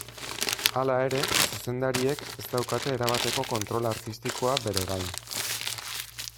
Hala ere, zuzendariek ez daukate erabateko kontrol artistikoa bere gain.